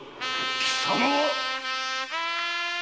貴様は？